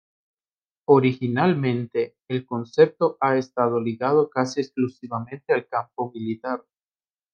Originalmente el concepto ha estado ligado casi exclusivamente al campo militar.